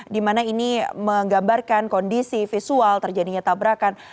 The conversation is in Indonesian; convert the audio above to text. di mana ini menggambarkan kondisi visual terjadinya tabrakan